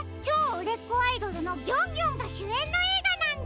うれっこアイドルのギョンギョンがしゅえんのえいがなんだ！